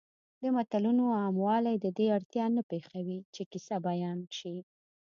د متلونو عاموالی د دې اړتیا نه پېښوي چې کیسه بیان شي